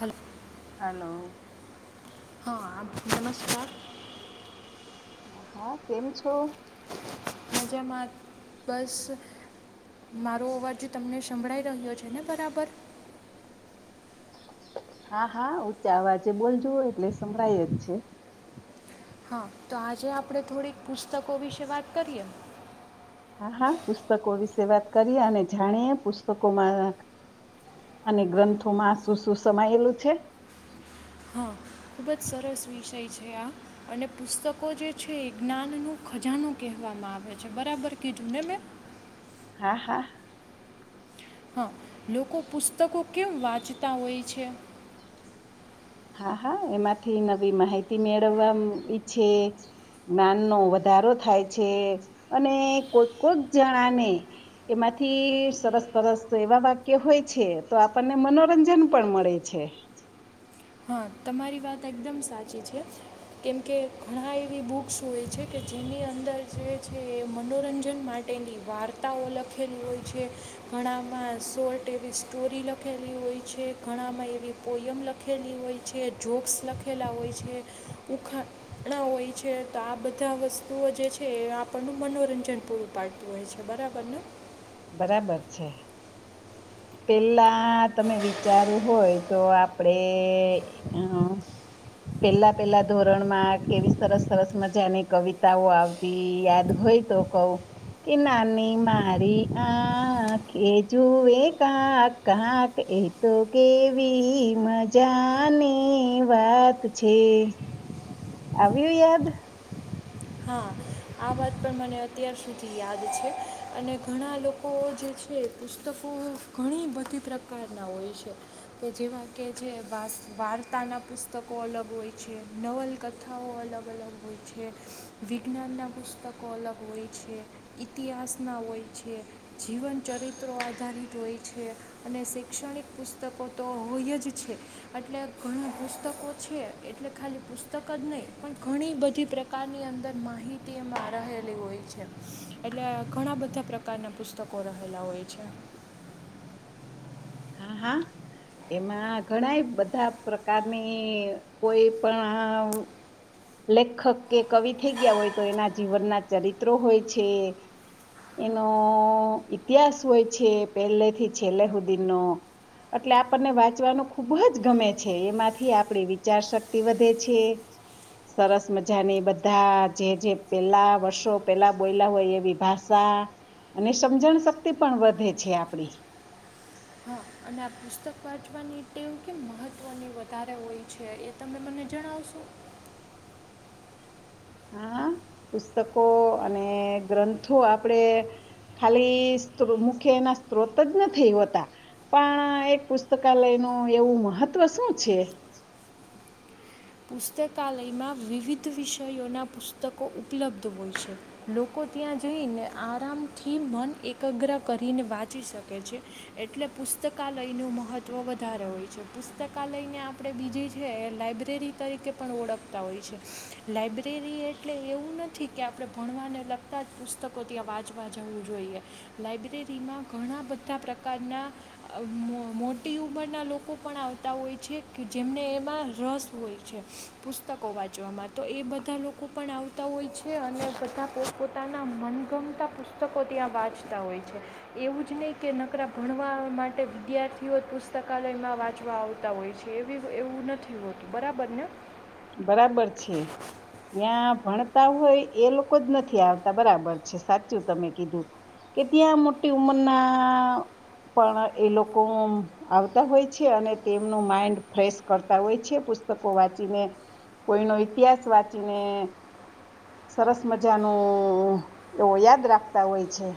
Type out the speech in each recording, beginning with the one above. હલ્ો hello હા નમસ્કાર હા કેમ છો રાજામાં બસ મારો અવાજ તમને સંભળાઈ રહ્યો છે ને બરાબર હા હા ઊંચા અવાજે બોલજો એટલે સમભળાય જ છે હા તો આજે આપણે થોડીક પુસ્તકો વિશે વાત કરીએ હા હા પુસ્તકો વિશે વાત કરીએ અને જાણીએ પુસ્તકોમાં અને ગ્રંથોમાં શું શું સમાયેલું છે હા ખૂબ જ સરસ વિષય છે આ અને પુસ્તકો જે છે એ જ્ઞાનનું ખજાનું કહેવામાં આવે છે બરાબર કીધું ને મેં હા હા હા લોકો પુસ્તકો કેમ વાંચતા હોય છે હા હા એમાંથી નવી માહિતી મેળવવા ઈછે જ્ઞાનનો વધારો થાય છે અને કોઈક કોક જણાને એમાંથી સરસ સરસ એવા વાક્ય હોય છે તો આપણને મનોરંજન પણ મળે છે હા તમારી વાત એકદમ સાચી છે કેમકે ઘણા એવી બુક શું એ છે કે જેની અંદર જે છે મનોરંજન માટેની વાર્તાઓ લખેલી હોય છે ઘણામાં શોર્ટ એવી સ્ટોરી લખેલી હોય છે ઘણામાં એવી પોયમ લખેલી હોય છે જોક્સ લખેલા હોય છે ઉખાણા હોય છે તો આ બધા વસ્તુઓ જે છે એ આપણનું મનોરંજન પૂરું પાડતું હોય છે બરાબર ને બરાબર છે પેલા તમે વિચારો હોય તો આપડે પેલા પેલા ધોરણમાં કેવી સરસ સરસ મજાની કવિતાઓ આવતી યાદ હોય તો કવ કે નાની મારી આ કે જુએ કાક કાક એ તો કેવી મજાની વાત છે આવ્યું યાદ હા આ વાત પણ મને અત્યાર સુધી યાદ છે અને ઘણા લોકો જે છે પુસ્તકો ઘણી બધી પ્રકારના હોય છે કે જેવા કે જે વાસ વાર્તાનાં પુસ્તકો અલગ હોય છે નવલકથાઓ અલગ અલગ હોય છે વિજ્ઞાનનાં પુસ્તકો અલગ હોય છે ઇતિહાસના હોય છે જીવનચરિત્રો આધારિત હોય છે અને શૈક્ષણિક પુસ્તકો તો હોય જ છે એટલે ઘણાં પુસ્તકો છે એટલે ખાલી પુસ્તક જ નહીં પણ ઘણી બધી પ્રકારની અંદર માહિતી એમાં રહેલી હોય છે એટલે ઘણા બધા પ્રકારના પુસ્તકો રહેલા હોય છે હા હા એમાં ઘણાય બધા પ્રકારની કોઈ પણ લેખક કે કવિ થઈ ગયા હોય તો એના જીવનના ચરિત્રો હોય છે એનો ઈતિહાસ હોય છે પહેલે થી છેલ્લે હુધીનો એટલે આપણને વાંચવાનું ખૂબ જ ગમે છે એમાંથી આપણી વિચાર શક્તિ વધે છે સરસ મજાની બધા જે જે પેલા વર્ષો પેલા બોયલા હોય એવી ભાષા અને સમજણ શક્તિ પણ વધે છે આપડી હા અને આ પુસ્તક વાંચવાની ટેવ કેમ મહત્વની વધારે હોય છે એ તમે મને જણાવશો હા પુસ્તકો અને ગ્રંથો આપણેે ખાલી મુખે એના સ્ત્રોત જ નથીઈ હોતા પણ એક પુસ્તકાલયનું એવું મહત્વ શું છે પુસ્તકાલયમાં વિવિધ વિષયોના પુસ્તકો ઉપલબ્ધ હોય છે લોકો ત્યાં જઈને આરામથી મન એકગ્ર કરીને વાંચી શકે છે એટલે પુસ્તકાલયનું મહત્ત્વ વધારે હોય છે પુસ્તકાલયને આપણે બીજી છે લાઇબ્રેરી તરીકે પણ ઓળખતા હોય છે લાઇબ્રેરી એટલે એવું નથી કે આપણે ભણવાને લગતાં જ પુસ્તકો ત્યાં વાંચવા જવું જોઈએ લાઇબ્રેરીમાં ઘણા બધા પ્રકારના મો મોટી ઉંમરના લોકો પણ આવતા હોય છે કે જેમને એમાં રસ હોય છે પુસ્તકો વાંચવામાં તો એ બધા લોકો પણ આવતા હોય છે અને બધા પોત પોતાના મનગમતા પુસ્તકો ત્યાં વાંચતા હોય છે એવું જ નહીં કે નકરા ભણવા માટે વિદ્યાર્થીઓ જ પુસ્તકાલયમાં વાંચવા આવતા હોય છે એવી એવું નથી હોતું બરાબર બને બરાબર છે ત્યાં ભણ હોય એ લોકો જ નથી આવતા બરાબર છે સાચું તમે કીધું કે ત્યાં મોટી ઉંમરના પણ એ લોકો આવતા હોય છે અને તેમનું માઈન્ડ ફ્રેશ કરતા હોય છે પુસ્તકો વાંચીને કોઈનો ઇતિહાસ વાંચીને સરસ મજાનું એવો યાદ રાખતા હોય છે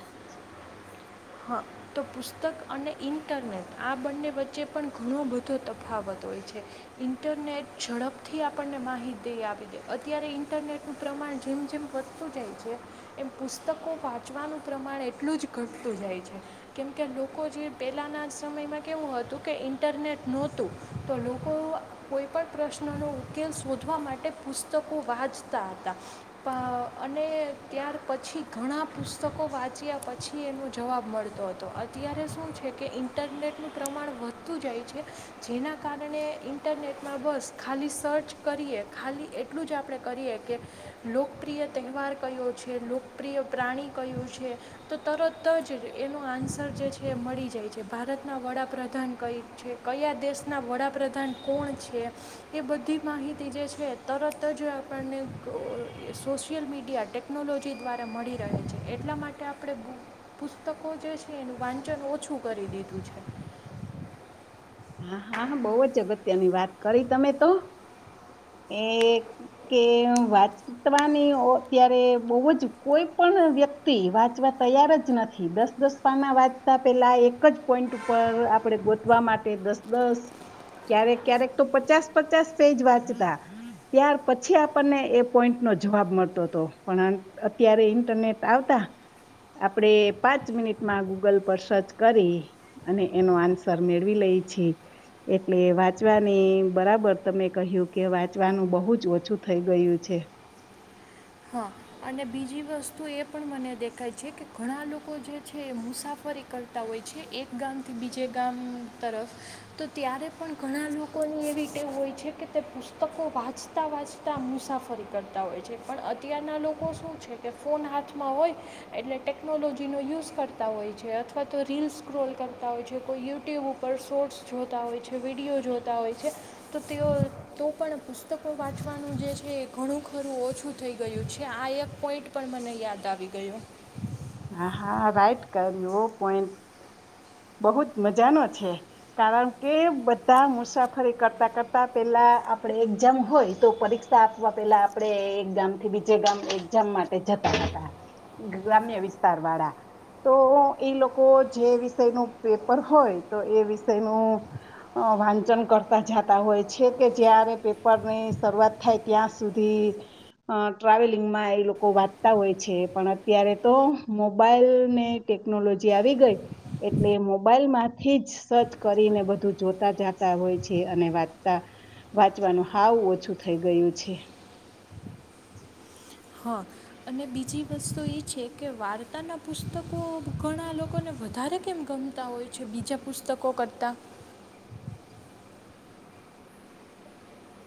હા તો પુસ્તક અને ઇન્ટરનેટ આ બંને વચ્ચે પણ ઘણો બધો તફાવત હોય છે ઇન્ટરનેટ ઝડપથી આપણને માહિતી આપી દે અત્યારે ઇન્ટરનેટનું પ્રમાણ જેમ જેમ વધતું જાય છે એમ પુસ્તકો વાંચવાનું પ્રમાણ એટલું જ ઘટતું જાય છે કેમકે લોકો જે પહેલાંના સમયમાં કેવું હતું કે ઇન્ટરનેટ નોતુ તો લોકો કોઈ પણણ પ્રશ્નનો ઉકેલ શોધવા માટે પુસ્તકો વાંચતા હતા અને ત્યાર પછી ઘણા પુસ્તકો વાંચ્યા પછી એનો જવાબ મળતો હતો અત્યારે શું છે કે ઇન્ટરનેટનું પ્રમાણ વધતું જાય છે જેના કારણે ઇન્ટરનેટમાં બસ ખાલી સર્ચ કરીએ ખાલી એટલું જ આપણે કરીએ કે લોકપ્રિય તહેવાર કયો છે લોકપ્રિય પ્રાણી કયું છે તો તરત જ એનો આન્સર જે છે એ મળી જાય છે ભારતનાં વડાપ્રધાન કઈ છે કયા દેશનાં વડાપ્રધાન કોણ છે એ બધી માહિતી જે છે તરત જ આપણને સોશિયલ મીડિયા ટેકનોલોજી દ્વારા મળી રહે છે એટલા માટે આપણે પુ પુતકો જે છે એનું વાંચન ઓછું કરી દીધું છે હા હા બહ જ અગત્યની વાત કરી તમે તો એ કે વાંચવાની અત્યારે બહુ જ કોઈ પણ વ્યક્તિ વાંચવા તૈયાર જ નથી દસ દસ પાના વાંચતા પેલા એક જ પોઈન્ટ ઉપર આપણે ગોતવા માટે ક્યારેક ક્યારેક તો પચાસ પચાસ પેજ વાંચતા ત્યાર પછી આપણને એ પોઈન્ટ નો જવાબ મળતો હતો પણ અત્યારે ઈન્ટરનેટ આવતા આપડે પાંચ મિનિટમાં ગૂગલ પર સર્ચ કરી અને એનો આન્સર મેળવી લઈ છે એટલે વાંચવાની બરાબર તમે કહ્યું કે વાંચવાનું બહુ જ ઓછું થઈ ગયું છે હા અને બીજી વસ્તુ એ પણ મને દેખાય છે કે ઘણા લોકો જે છે એ મુસાફરી કરતા હોય છે એક ગામથી બીજે ગામ તરફ તો ત્યારે પણ ઘણા લોકોની એવી ક હોય છે કે તે પુસ્તકો વાંચતાં વાંચતાં મુસાફરી કરતા હોય છે પણ અત્યારના લોકો શું છે કે ફોન હાથમાં હોય એટલે ટેકનોલોજીનો યુઝ કરતા હોય છે અથવા તો રીલસ ક્રોલ કરતા હોય છે કોઈ યુટ્યુબ ઉપર શોર્ટ્સ જોતા હોય છે વિડીયો જોતા હોય છે તો તેઓ તો પણ પુસ્તકો વાંચવાનું જે છે એ ઘણું ખરું ઓછું થઈ ગયું છે આ એક પોઈન્ટ પણ મને યાદ આવી ગયું હા હા રાઈટ કર્યો પોઈન્ટ બહુ જ મજાનો છે કારણ કે બધા મુસાફરી કરતા કરતા પેલા આપડે એક્ઝામ હોય તો પરીક્ષા આપવા પેલા આપણે એક ગામથી બીજે ગામ એક્ઝામ માટે જતા હતા ગામ્ય વિતાર વાળા તો એ લોકો જે વિષયનું પેપર હોય તો એ વિષયનું વાંચન કરતા જતા હોય છે કે જ્યારે પેપરની શરૂઆત થાય ત્યાં સુધી ટ્રાવેલિંગમાં એ લોકો વાંચતા હોય છે પણ અત્યારે તો મોબાઈલને ટેકનોલોજી આવી ગઈ એટલે મોબાઈલમાંથી જ સર્ચ કરીને બધું જોતા જતા હોય છે અને વાંચતા વાંચવાનું હાવ ઓછું થઈ ગયું છે હા અને બીજી વસ્તુ એ છે કે વાર્તાના પુસ્તકો ઘણા લોકોને વધારે કેમ ગમતા હોય છે બીજા પુસ્તકો કરતાં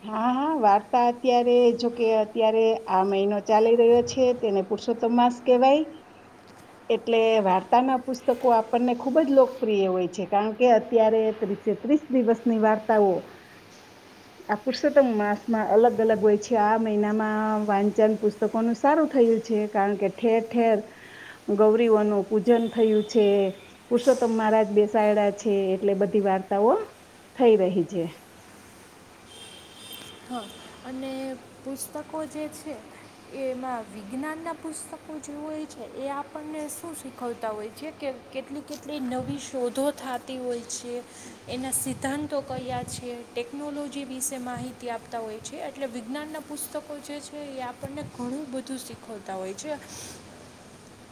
હા હા વાર્તા અત્યારે જોકે અત્યારે આ મહિનો ચાલી રહ્યો છે તેને પુરુષોત્તમ માસ કેહેવાય એટલે વાર્તાના પુસ્તકો આપણને ખુબ જ લોકપ્રિય હોય છે કારણ કે અત્યારે ત્રીસે ત્રીસ દિવસની વાર્તાઓ આ પુરુષોત્તમ માસમાં અલગ અલગ હોય છે આ મહિનામાં વાંચન પુસ્તકોનું સારું થયું છે કારણ કે ઠેર ઠેર ગૌરીઓનું પૂજન થયું છે પુરુષોત્તમ મહારાજ બેસાયેલા છે એટલે બધી વાર્તાઓ થઈ રહી છે હા અને પુસ્તકો જે છે એમાં વિજ્ઞાનનાં પુસ્તકો જે હોય છે એ આપણને શું શીખવતા હોય છે કે કેટલી કેટલી નવી શોધો થતી હોય છે એના સિદ્ધાંતો કયા છે ટેકનોલોજી વિશે માહિતી આપતા હોય છે એટલે વિજ્ઞાનના પુસ્તકો જે છે એ આપણને ઘણું બધું શીખવતા હોય છે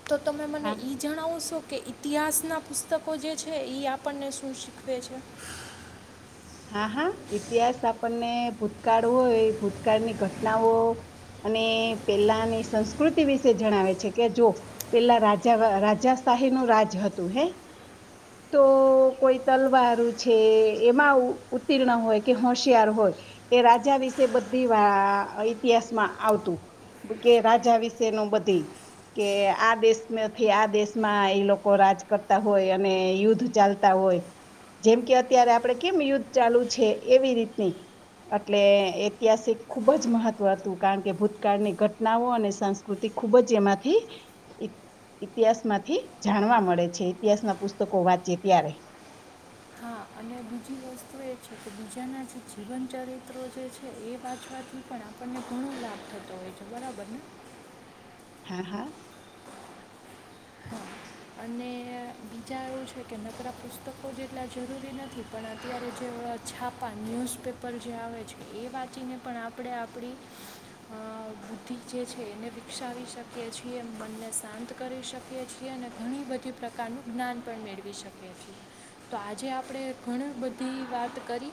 તો તમે મને હા એ જણાવું છો કે ઇતિહાસનાં પુસ્તકો જે છે એ આપણને શું શીખવે છે હા હા ઇતિહાસ આપણને ભૂતકાળ હોય ભૂતકાળની ઘટનાઓ અને પેલાની સંસ્કૃતિ વિશે જણાવે છે કે જો પેલા રાજા રાજાશાહી નું રાજ હતું હે તો કોઈ તલવારું છે એમાં આવું ઉણ હોય કે હોશિયાર હોય એ રાજા વિશે બધી ઇતિહાસમાં આવતું કે રાજા વિશે ન બધી કે આ દેશથી આ દેશમાં એ લોકો રાજ કરતા હોય અને યુદ્ધ ચાલતા હોય જેમ કે અત્યારે આપડે કેમ યુદ્ધ ચાલુ છે એવી રીતની એટલે ઐતિહાસિક ખૂબ જ મહત્વ હતું કારણ કે ભૂતકાળની ઘટનાઓ અને સંસ્કૃતિ ખૂબ જ એમાંથી ઇતિહાસ માંથી જાણવા મળે છે ઈતિહાસના પુસ્તકો વાંચી ત્યારે હા અને બીજી વસ્તુ એ છે કે બીજાના જે જીવન ચરિત્રો જે છે એ વાંચવાથી પણ આપણને ઘણો લાભ થતો હોય છે બરાબર ને હા હા હા અને બીજા એવું છે કે નકરાા પુસ્તકો જેટલા જરૂરી નથી પણ અત્યારે જે છાપા ન્યૂઝપેપર જે આવે છે એ વાંચીને પણ આપણે આપણી બુદ્ધિ જે છે એને વિકસાવી શકીએ છીએ મનને શાંત કરી શકીએ છીએ અને ઘણી બધી પ્રકારનું જ્ઞાન પણ મેળવી શકીએ છીએ તો આજે આપણે ઘણી બધી વાત કરી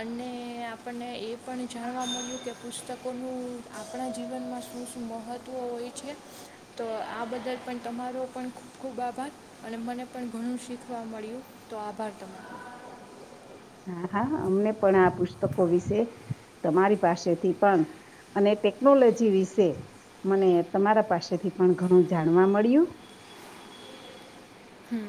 અને આપણને એ પણ જાણવા મળ્યું કે પુસ્તકોનું આપણા જીવનમાં શું શું મહત્ત્વ હોય છે તો આ બદલ પણ તમારો પણ ખૂબ ખૂબ આભાર અને મને પણ ઘણું શીખવા મળ્યું તો આભાર તમને હા હા અમને પણ આ પુસ્તકો વિશે તમારી પાસેથી પણ અને ટેકનોલોજી વિશે મને તમારા પાસેથી પણ ઘણું જાણવા મળ્યું હમ